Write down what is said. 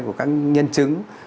của các nhân chứng